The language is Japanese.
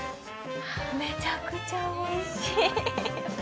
めちゃくちゃおいしい。